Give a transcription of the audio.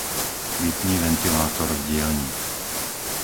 Vypni ventilátor v dielni.